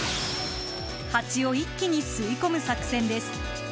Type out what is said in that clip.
ハチを一気に吸い込む作戦です。